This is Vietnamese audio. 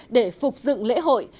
để phục dựng lễ hội